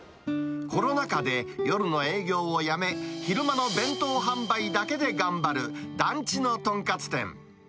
コロナ禍で夜の営業をやめ、昼間の弁当販売だけで頑張る団地の豚カツ店。